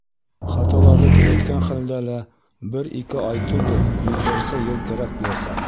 Хаталарҙы төҙәткән хәлдә лә, бер-ике ай түгел, йөҙҙәрсә йыл кәрәк буласаҡ.